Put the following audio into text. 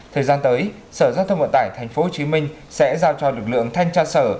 thời gian tới sở giao thông vận tải tp hcm sẽ giao cho lực lượng thanh tra sở